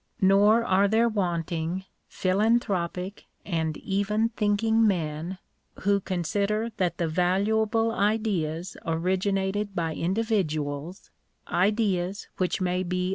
Nor are there wanting ^ philanthropic and even thinking men, who consider that the valuable ideas originated by individuals — ideas whicji may be